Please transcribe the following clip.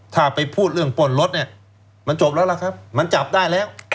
ถ้าไปพูดเรื่องป้นรถเนี่ยมันจบแล้วล่ะครับมันจับได้แล้ว